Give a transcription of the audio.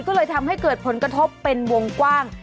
ก็เลยทำให้เกิดผลกระทบเป็นวงกว้าง